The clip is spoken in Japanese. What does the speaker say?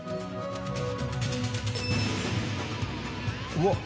うわっ！